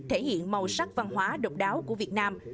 thể hiện màu sắc văn hóa độc đáo của việt nam